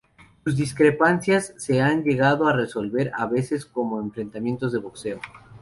Sus discrepancias se han llegado a resolver, a veces, como enfrentamientos de boxeo.